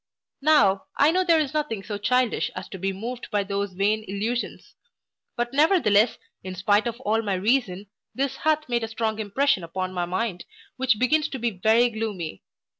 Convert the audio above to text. Now, I know there is nothing so childish as to be moved by those vain illusions; but, nevertheless, in spite of all my reason, this hath made a strong impression upon my mind, which begins to be very gloomy.